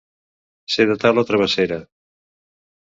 Ser de taula travessera.